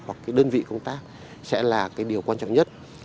hoặc cái đơn vị công tác sẽ là cái điều quan trọng nhất